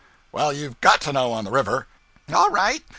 'Well you've _got _to, on the river!' 'All right.